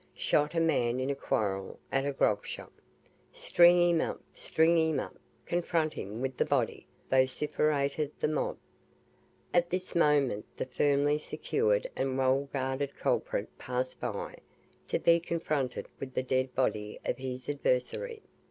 "Shot a man in a quarrel at a grogshop." "String him up string him up confront him with the body," vociferated the mob. At this moment the firmly secured and well guarded culprit passed by, to be confronted with the dead body of his adversary.